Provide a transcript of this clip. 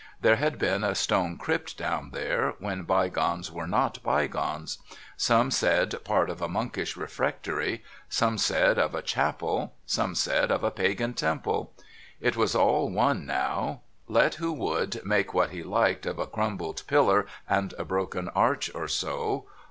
There had been a stone crypt down there, when bygones were not bygones ; some said, part of a monkish refectory ; some said, of a chapel ; some said, of a Pagan temple. It was all one now. Let who would make what he liked of a crumbled pillar and a broken arch or so.